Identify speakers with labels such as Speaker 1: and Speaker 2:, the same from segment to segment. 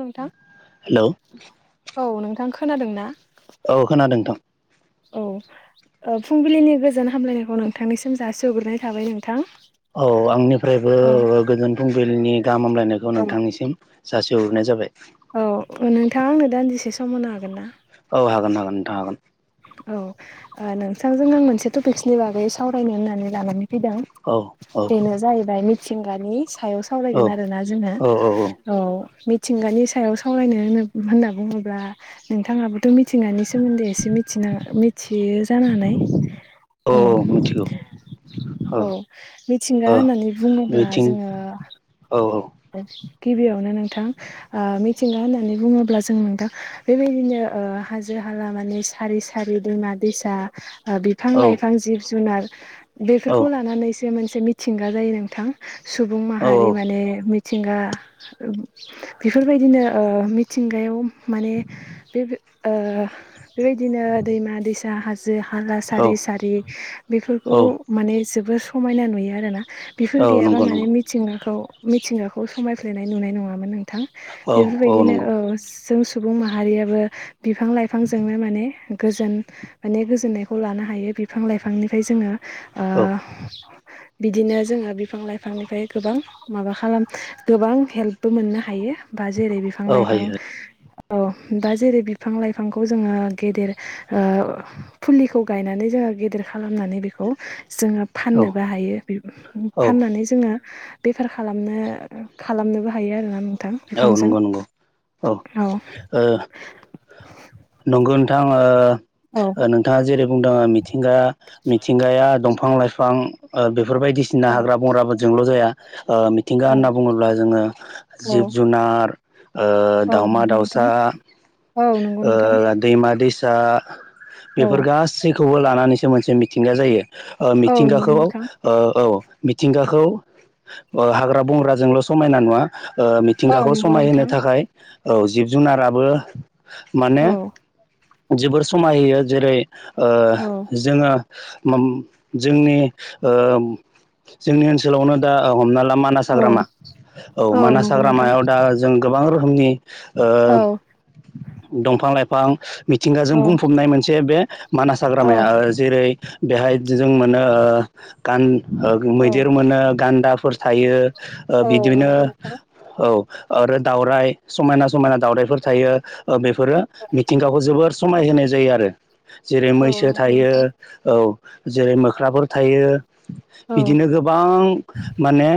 Speaker 1: नोंथां
Speaker 2: हेलौ
Speaker 1: औ नोंथां खोनादोंना?
Speaker 2: औ खोनादों नोंथां।
Speaker 1: औ फुंबिलिनि गोजोन हामलायनायखौ नोंथांनिसिम जासिग्रोनाय थाबाय नोंथां।
Speaker 2: औ आंनिफ्रायबो
Speaker 1: औ
Speaker 2: गोजोन फुंबिलिनि गाहामलायनायखौ
Speaker 1: औ
Speaker 2: नोंथांनिसिम। जासे हरनाय जाबाय।
Speaker 1: औ नोंथाङा आंनो दान्दिसे सम होनो हागोन ना?
Speaker 2: औ हागोन हागोन नोंथां हागोन।
Speaker 1: औ नोंथांजों आं मोनसे टपिक्सनि बागै सावरायनो होननानै लानानै फैदों बेनो जाहैबाय मिथिंगानि सायाव
Speaker 2: औ
Speaker 1: सावरायगोन आरोना जोहा
Speaker 2: औ
Speaker 1: औ मि मिथिंगानि सायाव सावरायनो होनो होनना बुङोब्ला नोंथाङाबोथ' मिथिंगानि सोमोन्दै एसे मि मिथिना मिथियो जानो हानाय औ औ मिथिंगा
Speaker 2: ओ
Speaker 1: होननानै बुङोब्ला
Speaker 2: मिथिं
Speaker 1: जोङो
Speaker 2: औ
Speaker 1: गिबियावनो नोंथां ओ मिथिंगा होननानै बुङोब्ला जों नोंथां बेबायदिनो ओ ओ हाजो हाला माने सारि सारि दैमा दैसा बिफां
Speaker 2: औ
Speaker 1: ओ लाइफां जिब जुनार
Speaker 2: औ
Speaker 1: बेफोरखौ लानानैसो मोनसे मिथिंगा जायो नोंथां सुबुं माहारि माने मि मिथिंगा ओब बेफोरबायदिनो ओ मिथिंगायाव माने बेफो ओ बेबायदिनो दैमा दैसा हाजो जो हाला
Speaker 2: औ
Speaker 1: सारि सारि
Speaker 2: औ
Speaker 1: बेफोरखौ माने जोबोर समायना नुयो आरोना। बेफोर
Speaker 2: औ
Speaker 1: गैयाबा
Speaker 2: नंगौ
Speaker 1: माने
Speaker 2: नंगौ
Speaker 1: मिथिंगाखौ मिथिंगाखौ समायफ्लेनाय नुनाय नङामोन नों थां
Speaker 2: औ औ
Speaker 1: बेफोरबायदिनो
Speaker 2: नंगौ
Speaker 1: औ जों सुबुं माहारियाबो बिफां लाइफांजोंनो माने गोजोन माने गोजोननायखौ लानो हायो बिफां लाइफांनिफ्राय जोङो ओ
Speaker 2: औ
Speaker 1: बिदिनो जोङो बिफां लाइफांनिफ्राय गोबां माबा खालाम गोबां हेल्पबो मोननो हायो बा जेरै बिफां
Speaker 2: औ
Speaker 1: लाइफां
Speaker 2: हायो
Speaker 1: औ दा जेरै बिफां लाइफांखौ जोङो गेदेर ओ फुलिखौ गायनानै जों गेदेर खालामनानै बेखौ जोङो
Speaker 2: औ
Speaker 1: फाननोबो हायो
Speaker 2: औ
Speaker 1: फाननानै जोङो बेफार खालामनो खालामनोबो हायो आरो ना नों
Speaker 2: औ नंगौ नंगौ औ ओ नंगौ नोंथां। थां ओ
Speaker 1: औ
Speaker 2: ओ नोंथाङा जेरै बुंदों मिथिंगा मिथिंगाया दंफा बिफां लाइफां बेफोर बायदिसिना हाग्रा बंग्राफोरजोंल' जाया ओ मिथिंगा होनना बुङोब्ला जोङो जिब
Speaker 1: औ
Speaker 2: जुनार ओ
Speaker 1: औ
Speaker 2: दाउमा
Speaker 1: नंगौ
Speaker 2: दाउसा
Speaker 1: नोंथां औ नंगौ नोंथां
Speaker 2: ओ दैमा दैसा
Speaker 1: औ
Speaker 2: बेफोर गासैखौबो लानानैसो मोनसे मिथिंगा जायो। ओ
Speaker 1: औ नंगौ
Speaker 2: मिथिंगाखौ
Speaker 1: नोंथां
Speaker 2: ओ औ मिथिंगाखौ ओ हाग्रा बंग्राजोंल' समायना नुवा ओ
Speaker 1: औ
Speaker 2: मिथिंगाखौ
Speaker 1: नंगौ
Speaker 2: समायहोनो
Speaker 1: नोंथां
Speaker 2: थाखाय औ जिब जुनाराबो माने
Speaker 1: औ
Speaker 2: जोबोर समाय होयो जेरै ओ
Speaker 1: औ
Speaker 2: जोङो माम जोंनि ओ जोंनि ओनसोलावनो दा ओ हमना ला मानास
Speaker 1: औ
Speaker 2: हाग्रामा औ मानास
Speaker 1: नंगौ नोंथां
Speaker 2: हाग्रामायाव दा जों गोबां रोखोमनि ओ
Speaker 1: औ
Speaker 2: दंफां लाइफां मिथिंगाजों
Speaker 1: औ
Speaker 2: बुंफबनाय मोनसे बे मानास हाग्रामाया
Speaker 1: औ
Speaker 2: ओ जेरै बेहाय जो-जों मोनो ओ गान ओ
Speaker 1: औ
Speaker 2: मैदेर मोनो गान्दाफोर थायो ओ
Speaker 1: औ
Speaker 2: बिदिनो
Speaker 1: नंगौ नोंथां
Speaker 2: औ आरो दावउराय समायना समायना दावउरायाइफोर थायो ओ बेफोरो मिथिंगाखौ जोबोर समाय होनाय जायो आरो जेरै
Speaker 1: औ
Speaker 2: मैसो
Speaker 1: नंगौ
Speaker 2: थायो
Speaker 1: नोंथां
Speaker 2: औ जेरै मोख्राफोर थायो
Speaker 1: औ
Speaker 2: बिदिनो गोबां माने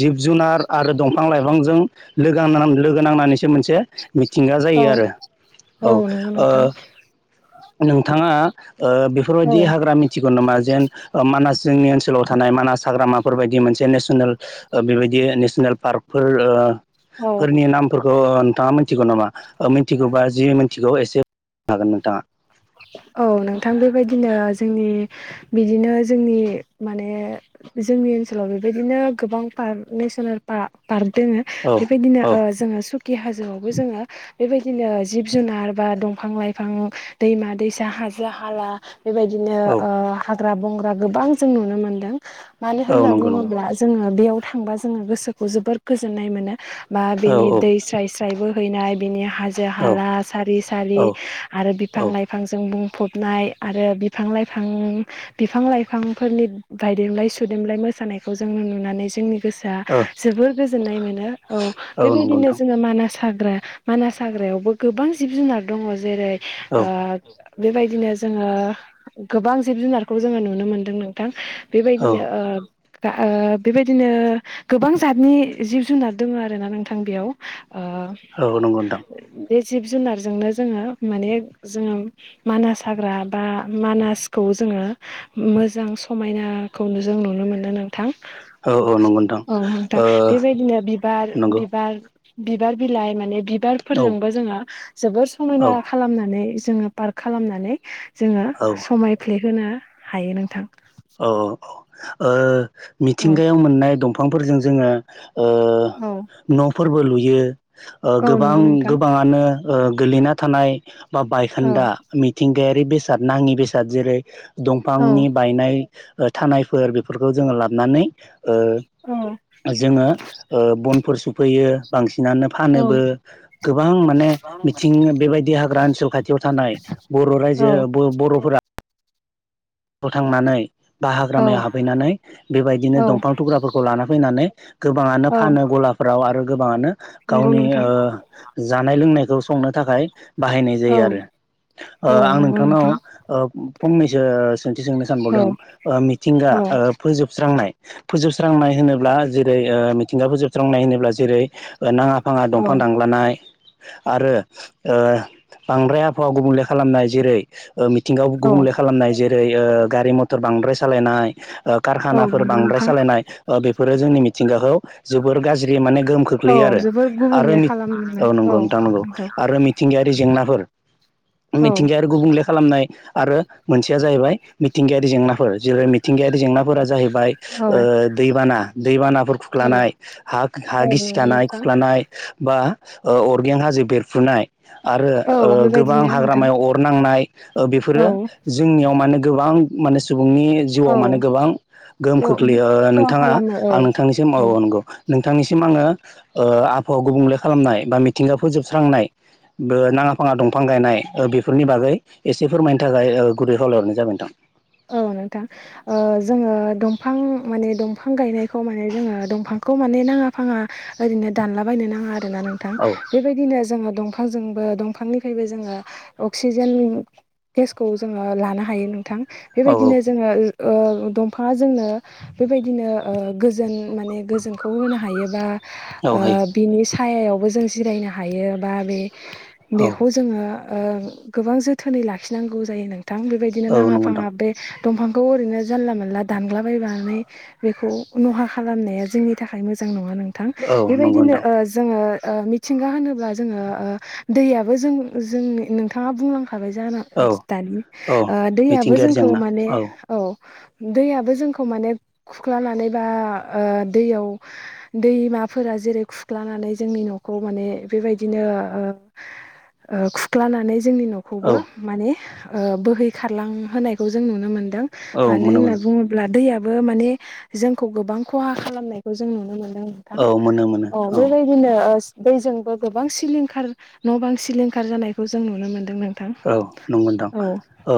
Speaker 2: जिब जुन आरो दंफां लाइफांजों लोगो नांना-नांना लोगो नांनानैसो मोनसे मिथिंगा जायो
Speaker 1: औ
Speaker 2: आरो औ
Speaker 1: नंगौ नोंथां
Speaker 2: ओ नोंथाङा ओ
Speaker 1: औ
Speaker 2: बेफोरबायदि हाग्रा मिथिगौ नामा जेन मानास जोंनि ओनसोलाव थानाय मानास हाग्रामाफोर बायदि मोनसे नेसनेल ओ बेबायदि नेस पार्कफोर ओ
Speaker 1: औ
Speaker 2: फोरनि नामफोरखौ ओ नोंथाङा मिथिगौ नामा? ओ मिथिगौबा जि मिथिगौ एसे नो हागोन नोंथाङा।
Speaker 1: औ नोंथां बेबायदिनो जोंनि बिदिनो जोंनि माने जोंनि ओनसोलाव बेबायदिनो गोबां पार्क नेसनेल पा-पार्क दोङो
Speaker 2: औ
Speaker 1: बेबायदिनो
Speaker 2: औ
Speaker 1: ओ जोङो सुकि हाजोआवबो जोङो बेबायदिनो जिब जुनार बा दंफां लाइफां दैमा दैसा हाजो हाला बेबायदिनो
Speaker 2: औ
Speaker 1: ओ हाग्रा बंग्रा गोबां जों नुनो मोनदों। मानो
Speaker 2: औ
Speaker 1: होनना
Speaker 2: नंगौ नंगौ
Speaker 1: बुङोब्ला जोङो बेयाव थांबा जोङो गोसोखौ जोबोर गोजोननाय मोनो बा
Speaker 2: औ
Speaker 1: बिनि दै स्राय स्रायबो हैनाय बिनि हाजो
Speaker 2: औ
Speaker 1: हाला सारि
Speaker 2: औ
Speaker 1: सारि आरो बिफां
Speaker 2: औ ओ
Speaker 1: लाइफांजों बुं फ'बनाय आरो बिफां लाइफां बिफां लाइफांफोरनि बायदेमलाय सुदेलाय मोसा सानायखौ जोङो नुनानै जोंनि गोसोआ जोबोर गोजोननाय मोनो औ
Speaker 2: नंगौ
Speaker 1: बेबायदिनो
Speaker 2: नोंथां
Speaker 1: जोङो मानास हा ग्रा मानास हाग्रायावबो गोबां जिब जुनार दङ' जेरै
Speaker 2: औ
Speaker 1: ओ बेबायदिनो जोङो गोबां जिब जुनारखौ जोङो नुनो मोनदों नोंथां
Speaker 2: औ
Speaker 1: बेबायदिनो ओ दा ओ बेबायदिनो गोबां जादनि जिब जुनाद दं आरोना नोंथां बेयाव ओ
Speaker 2: औ नंगौन्दां
Speaker 1: बे जिब जुनारजोंनो जोङो माने जोङो मानास हाग्रा बा मानासखौ जोङो मोजां समायना खौनो जों नुनो मोनदों नों थां
Speaker 2: औ औ नंगौ नोंथां
Speaker 1: औ नोंथा
Speaker 2: ओ
Speaker 1: बेबायदिनो बिबार
Speaker 2: नंगौ
Speaker 1: बिबार बिबार बिलाइ माने
Speaker 2: औ
Speaker 1: बिबारफोरजोंबो जोङो जोबोर
Speaker 2: औ
Speaker 1: समायना खालामनानै जोङो पार्क खालामनानै जोङो समायफ्लेहोनो हायो नोंथां
Speaker 2: औ औ ओ
Speaker 1: औ
Speaker 2: मिथिंगायाव मोननाय दंफांफोरजों जोङो ओ
Speaker 1: औ
Speaker 2: न'फोरबो लुयो ओ
Speaker 1: औ
Speaker 2: गोबां
Speaker 1: नंगौ नोंथां
Speaker 2: गोबाङानो ओ गोलैना थानाय बा
Speaker 1: औ
Speaker 2: बायखोन्दा मिथिंगायारि बेसाद नाङि बेसाद जेरै
Speaker 1: औ
Speaker 2: दंफांनि बायनाय ओथानायफोर बेफोरखौ जोङो लाबनानै ओ
Speaker 1: औ
Speaker 2: जोङो ओ बनफोर सफैयो बांसिन नानै
Speaker 1: औ
Speaker 2: फानोबो गोबां माने मिथिं बेबायदि हाग्रा ओनसोल खाथियाव थानाय बर' रायजो
Speaker 1: औ
Speaker 2: बो बर'फोरा बोथांनानै बा हाग्रामाया
Speaker 1: औ
Speaker 2: हाबफैनानै बेबायदिनो
Speaker 1: औ
Speaker 2: दंफां थुग्राफोरखौ लाना फैनानै गोबाङानो
Speaker 1: औ
Speaker 2: फानो गलाफ्राव आरो गोबाङानो
Speaker 1: नंगौ
Speaker 2: गावनि
Speaker 1: नोंथां
Speaker 2: ओ जानाय लोंनाय खौ संनो थाखाय बाहायनाय
Speaker 1: औ
Speaker 2: जायो आरो ओ
Speaker 1: औ
Speaker 2: आं
Speaker 1: नंगौ
Speaker 2: नोंथांनाव
Speaker 1: नोंथां
Speaker 2: ओ फंनैसो सोंथि सोंनो
Speaker 1: औ
Speaker 2: सानबावदों मिथिंगा
Speaker 1: औ
Speaker 2: ओ फोजोबस्रांनाय फोजोबस्रांनाय होनोब्ला जेरै ओ मिथिंगा फोजोबस्रांनाय होनोब्ला जेरै नाङा फाङा
Speaker 1: औ
Speaker 2: दंफां दांलानाय आरो ओ बांद्राय आबहावा गुबुंले खालामनाय जेरै ओ मिथिंगायव
Speaker 1: औ
Speaker 2: गुबुंले खालामनाय जेरै ओ गारि म'थ'र बांद्राय सालायनाय ओ
Speaker 1: औ
Speaker 2: कारखानाफोर
Speaker 1: नंगौ
Speaker 2: बांद्राय
Speaker 1: नोंथां
Speaker 2: सालायनाय ओ बेफोरो जोंनि मिथिंगाखौ जोबोर गाज्रि माने गोहोम
Speaker 1: औ
Speaker 2: खोख्लैयो आरो
Speaker 1: जोबोर
Speaker 2: आरो
Speaker 1: गुबुंले
Speaker 2: मि
Speaker 1: खालामनो
Speaker 2: औ नोंगौ नोंथां नोंगौ आरो मिथिंगाया जेंनाफोर
Speaker 1: औ
Speaker 2: मिथिंगायारि गुबुंले खालामनाय आरो मोनसेया जाहैबाय मिथिंगायारि जेंनाफोर जेरै मिथिंगायारि जेंनाफोरा जाहैबा य
Speaker 1: औ
Speaker 2: ओ दैबाना दैबानाफोर
Speaker 1: औ
Speaker 2: खुख्लानाय हाक हा
Speaker 1: नंगौ
Speaker 2: गिसिखानाय
Speaker 1: नोंथां
Speaker 2: खुख्लानाय बा ओ अरगें हाजो बेरफ्रुनाय आरो
Speaker 1: औ
Speaker 2: ओ गोबां
Speaker 1: बेबायदिनो नोंथां
Speaker 2: हाग्रामायाव अर नांनाय ओ
Speaker 1: औ
Speaker 2: बेफोरो अमाने गोबां माने सुब बुंनि जिउआव
Speaker 1: औ
Speaker 2: मानो गोबां गोहोम खोख्लैयो ओ
Speaker 1: खहा
Speaker 2: नोंथाङा
Speaker 1: खालामो औ
Speaker 2: आं नोंथांनिसिम
Speaker 1: औ
Speaker 2: मावो नोंगौ नोंथांनिसिम आङो ओ आबहावा गुबुंले खालामनाय बा मिथिंगा फोजोबस्रांनाय बो नाङा फाङा दंफां गायनाय ओ बेफोरनि बागै एसे फोरमायनो थाखाय ओ गुरै खावलायहरनाय जाबाय नोंथां
Speaker 1: औ नोंथां ओ जोङो दंफां माने दंफां गायनायखौ माने जोङो दंफांखौ माने ना ङा फाङा ओैरैनो दानला बयनो नाङा आरोना नोंथां
Speaker 2: औ
Speaker 1: बेबायदिनोजों दंफांजोंबो दंफांनिफ्रायबो जोङो अक्सिजेन गेसखौ जोङो लानो हायो नोंथां
Speaker 2: औ
Speaker 1: बेबायदिनो जोङो ओ दंफाङा जोंनो ओ
Speaker 2: औ हायो
Speaker 1: बिनि सायायावबो जों जिरायनो हायो बा बे
Speaker 2: औ
Speaker 1: बेखौ जोङो ओ गोबां जोथोनै लाखिनांगौ जायो नों थां बेबायदिनो
Speaker 2: औ
Speaker 1: नाङा
Speaker 2: नंगौ नोंथां
Speaker 1: फाङा बे दंफांखौ ओरैनो जानला मानला दानलाबायनानै बेखौ नहा खालामनाया जोंनि थाख थाखाय मोजां नङा नोंथां
Speaker 2: औ नंगौ
Speaker 1: बेबायदिनो
Speaker 2: नोंथां
Speaker 1: ओ जोङो ओ मिथिंगा होनोब्ला जोङो ओ दैयाबो जों जोंनि नोंथाङा बुंलां खाबाय जाना
Speaker 2: औ
Speaker 1: दानि
Speaker 2: औ
Speaker 1: ओ दैयाबो
Speaker 2: मिथिंगायारि
Speaker 1: जोंखौ
Speaker 2: जेंना
Speaker 1: माने औ। दैयाबो जोंखौ माने खुख्लानानै बा ओ दैयाव दैमाफोरा जेरै खुख्लानानै जोंनि न'खौ माने बेबायदिनो ओ। ओ खुख्लानानै जोंनि न'खौ
Speaker 2: औ
Speaker 1: बो माने ओ बोहै खारलां होनोनायखौ जों नुनो मोन दों
Speaker 2: औ
Speaker 1: मानो
Speaker 2: मोनो
Speaker 1: होनना
Speaker 2: मोनो
Speaker 1: बुङोब्ला दैया बो माने जोंखौ गोबां खहा खालामनायखौ जों नुनो मोनो। नो नोंथां
Speaker 2: औ मोनो मोनो
Speaker 1: अ
Speaker 2: औ
Speaker 1: बेबायदिनो ओ दैजोंबो गोबां सिलिंखार न' बां सिलिंखार जानायखौ जों नुनो मोन
Speaker 2: औ नंगौ नोंथां औ।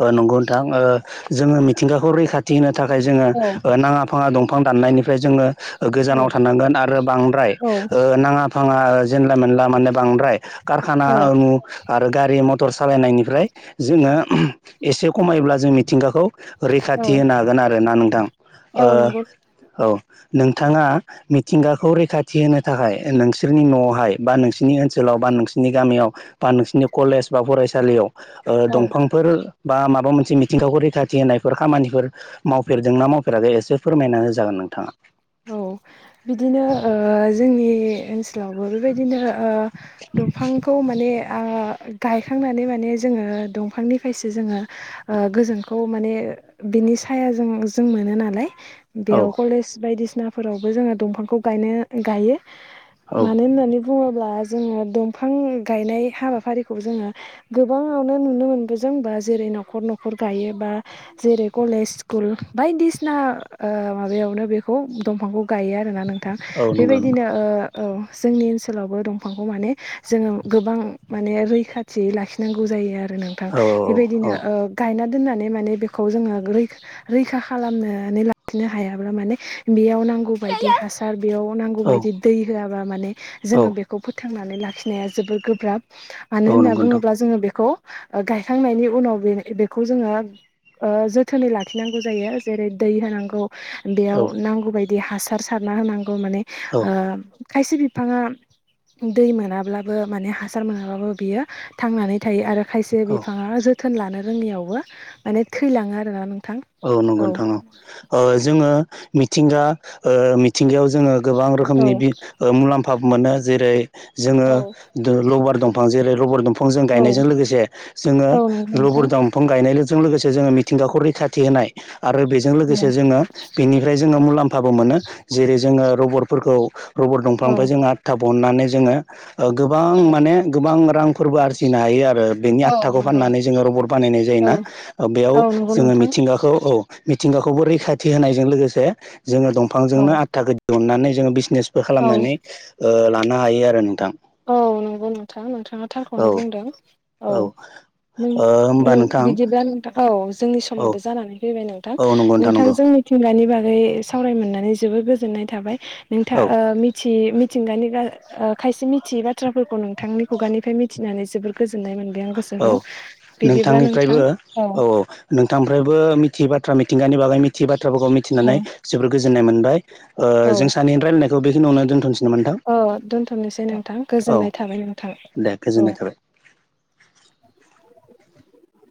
Speaker 2: ओ नंगौ नोंथां ओ जोङो मिथिंगाखौ रैखाथि होनो थाखाय जोङो
Speaker 1: औ
Speaker 2: ओ नाङा फाङा दं फां दाननायनिफ्राय जोङो ओ गोजानाव
Speaker 1: औ
Speaker 2: थानांगोन आरो बांद्राय
Speaker 1: औ
Speaker 2: ओ नाङा फाङा जेनला मेनला माने बांद्राय कारखाना आरो गारि मथ मटर सालायनायनिफ्राय जोङो एसे खमायोब्ला जों मिथिंगाखौ
Speaker 1: औ
Speaker 2: रैखाथि होनो हागोन आरोना नोंथां ओ
Speaker 1: औ नंगौ
Speaker 2: औ। नोंथाङा मिथिंगाखौ रैखाथि होनो थाखाय नोंसोरनि न'आवहाय बा नोंसिनि ओनसोलाव बा नोंसिरनि गामियाव बा नोंसिनि कलेज बा फरायसालियाव ओ
Speaker 1: औ
Speaker 2: दंफांफोर बा माबा मोनसे मिथिंगाखौ रैखाथि होनायफोर खामानिफोर मावफेरदों ना मावफेराखै एसे फोरमायना होजागोन। नोंथाङा।
Speaker 1: औ बिदिनो ओ जोंनि ओनसो लावबो बेबायदिनो ओ दंफांखौ माने आ गायखांनानै माने जोङो दंफांनिफ्रायसो जोङो ओ गोजोनखौ माने बिनि सायाजों जों मोनो नालाय।
Speaker 2: औ
Speaker 1: बेयाव कलेज बायदिसिनाफोरावबो जोङो दंफांखौ गायनो गायो।
Speaker 2: औ
Speaker 1: मानो होननानै बुङोब्ला जोङो दंफां गायनाय हाबाफारिखौ जोङो गोबाङावनो नुनो मोनबो जोंबा जेरै न'खर न'खर गायो बा जेरै कलेज स्कुल बायदिसिना ओ माबायावनो बेखौ दंफांखौ गायो आरोना नोंथां
Speaker 2: औ नंगौ नंगौ
Speaker 1: बेबायदिनो ओ औ जोंनि ओनसोलावबो दंफांखौ माने जोङो गोबां माने रैखाथियै लाखिनांगौ जायो आरो। आरो नोंथां
Speaker 2: औ औ
Speaker 1: बेबायदिनो ओ गायना दोननानै माने बेखौ जोङो रैखा रैखा खालामनानै लाखिनो हायाब्ला माने बेयाव नांगौ बायदि हासार बेयाव नांगौ
Speaker 2: औ
Speaker 1: बायदि दै होआबा माने
Speaker 2: औ
Speaker 1: जोङो बेखौ फोथांना नानै लाखिनाया जोबोर गोब्राब मानो
Speaker 2: औ
Speaker 1: होनना
Speaker 2: नंगौ नोंथां
Speaker 1: बुङोब्ला जोङो बेखौ ओ गायखांनायनि उनाव बे बेखौ जोङो ओ जोथोनै लाखिनांगौ जायो जेरै दै होनांगौ बेयाव
Speaker 2: औ
Speaker 1: नांगौ बायदि हासार सारना होनांगौ माने
Speaker 2: औ
Speaker 1: ओ खायसे बिफाङा दै मोनाब्लाबो माने हासार मोनाब्लाबो बियो थांनानै थायो आरो। खायसे
Speaker 2: औ
Speaker 1: बिफाङा जोथोन लानो रोङियावबो माने थैलाङो आरोना। नोंथां
Speaker 2: औ नंगौ नोंथां औ ओ जोङो मिथिंगा ओ मिथिंगायाव जोङो गोबां
Speaker 1: औ
Speaker 2: रोखोमनि बि मुलाम्फा मोनो जेरै जोङो
Speaker 1: औ
Speaker 2: दो लबार दंफां जेरै लबार दंफा जों गायनायजों लोगोसे जोङो
Speaker 1: औ नंगौ नोंथां
Speaker 2: रबर दंफां गायनाय जों लोगोसे जोङो मिथिंगाखौ रैखाथि होनाय आरो बेजों
Speaker 1: औ
Speaker 2: लोगोसे जोङो बेनिफ्राय जोङो मुलाम्फाबो मोनो जेरै जोङो रबरफोरखौ रबर दंफांनिफ्राय
Speaker 1: औ
Speaker 2: जोङो आदथा बहननानै जोङो ओ गोबां माने गोबां रांफोरबो आरजिनो हायो आरो ओ बेनि
Speaker 1: औ
Speaker 2: आटथाखौ
Speaker 1: नंगौ
Speaker 2: फाननानै जोङो रबर बानायनाय
Speaker 1: औ
Speaker 2: जायोना बेयाव
Speaker 1: औ नंगौ
Speaker 2: जोङो
Speaker 1: नोंथां
Speaker 2: मिथिंगाखौ औ मिथिंगाखौबो रैखाथि होनायजों लोगोसे जोङो
Speaker 1: औ
Speaker 2: दंफांजोंनो आदथाखो दहन्नानै जोङो बिजिनेसबो
Speaker 1: औ
Speaker 2: खालामनानै ओ लानो हायो आरो नोंथां
Speaker 1: औ नंगौ नोंथां नोंथाङा
Speaker 2: औ
Speaker 1: थारखौनो बुंदों औ । नों
Speaker 2: होमबा
Speaker 1: नों
Speaker 2: नोंथां
Speaker 1: बिदिबा नोंथां औ। जोंनि
Speaker 2: औ
Speaker 1: समाबो जानानै फैबाय नोंथां
Speaker 2: औ नंगौ
Speaker 1: नोंथां
Speaker 2: नंगौ
Speaker 1: जोंनिथिं मानि बागै सावराय मोननानै जोबोर गोजोननाय थाबाय नोंथा
Speaker 2: औ
Speaker 1: ओ मिथि थिंगानि [unintelligible] खायसे मिथियै बाथ्राफोरखौ नोंथांनि खुगानिफ्राय मिथिनानै जोबोर गोजोन
Speaker 2: औ नोंथांनिफ्रायबो औ औ नोंथांनिफ्रायबो मिथियै। थ्रा मिथिंगानि बागै मिथियै बाथ्राफोरखौ मिथिनानै
Speaker 1: औ
Speaker 2: जोबोर गोजोननाय मोनबाय ओ जों
Speaker 1: औ
Speaker 2: सानैनि रायलायनाय खौ बेखिनियावनो दोनथ'नोसै नामा नोंथां
Speaker 1: औ दोनथ'नोसै नोंथां
Speaker 2: औ
Speaker 1: गोजोननाय थाबाय नोंथां
Speaker 2: दे
Speaker 1: औ
Speaker 2: गोजोननाय
Speaker 1: ।
Speaker 2: थाबाय
Speaker 1: [inaudible]